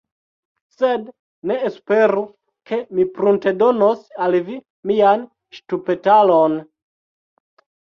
Sed ne esperu, ke mi pruntedonos al vi mian ŝtupetaron.